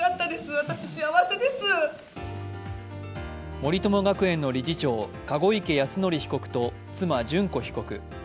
森友学園の理事長、籠池泰典被告と妻・諄子被告。